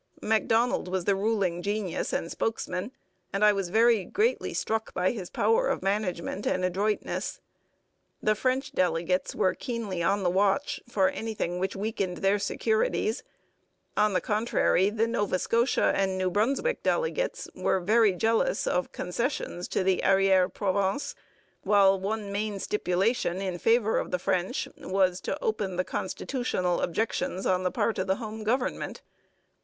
Macdonald was the ruling genius and spokesman, and I was very greatly struck by his power of management and adroitness. The French delegates were keenly on the watch for anything which weakened their securities; on the contrary, the Nova Scotia and New Brunswick delegates were very jealous of concessions to the arriérée province; while one main stipulation in favour of the French was open to constitutional objections on the part of the Home Government.